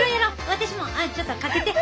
私もああちょっとかけて！